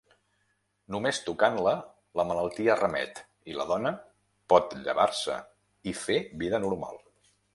Només tocant-la, la malaltia remet i la dona pot llevar-se i fer vida normal.